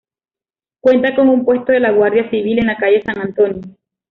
Cuenta con un puesto de la Guardia Civil en la calle San Antonio.